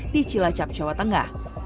di cilacap jawa tengah